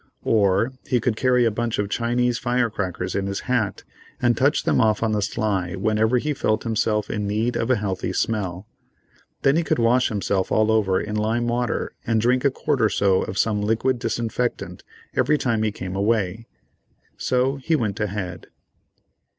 Or he could carry a bunch of Chinese fire crackers in his hat, and touch them off on the sly whenever he felt himself in need of a healthy smell. Then he could wash himself all over in lime water, and drink a quart or so of some liquid disinfectant every time he came away. So he went ahead.